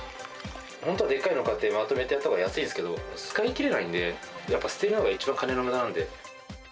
本当はでっかいの買って、まとめてやったほうが安いんですけど、使いきれないんで、やっぱ捨てるのが一番金のむだなんで。